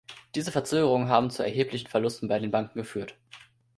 Diese Verzögerungen haben zu erheblichen Verlusten bei den Banken geführt.